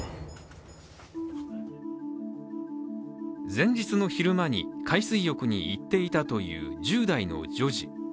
前日の昼間に海水浴に行っていたという１０代の女子。